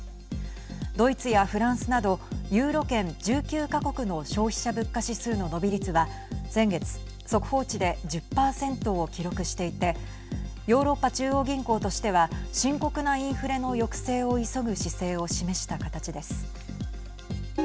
ドイツやフランスなどユーロ圏１９か国の消費者物価指数の伸び率は先月速報値で１０％を記録していてヨーロッパ中央銀行としては深刻なインフレの抑制を急ぐ姿勢を示した形です。